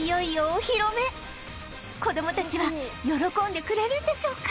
子供たちは喜んでくれるんでしょうか？